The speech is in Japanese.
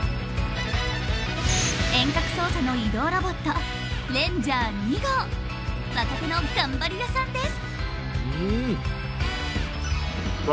遠隔操作の移動ロボット若手の頑張り屋さんです。